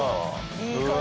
いい感じ。